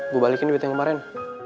gue balikin duit yang kemarin